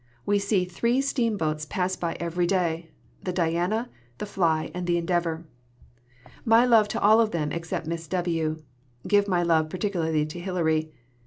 We see three steam boats pass every day, the Diana, the Fly, and the Endeavour. My love to all of them except Miss W . Give my love particularly to Hilary.